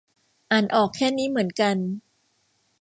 อ่านออกแค่นี้เหมือนกัน